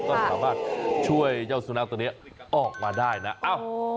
ก็สามารถช่วยเจ้าสุนัขตัวนี้ออกมาได้นะเอ้า